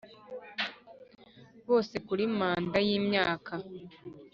Bose kuri manda y imyaka